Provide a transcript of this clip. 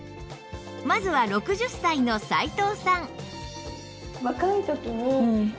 まずは６０歳の斉藤さん